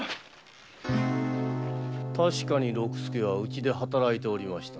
確かに六助はうちで働いておりました。